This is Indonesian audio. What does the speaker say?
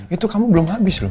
itu kamu belum habis loh